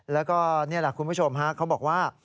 แล้วก็นี่แหละคุณผู้ชมฮะเขาบอกว่า